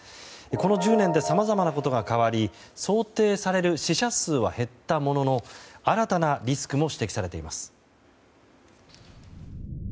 この１０年でさまざまなことが変わり想定される死者数は減ったものの新たなリスクも指摘されています。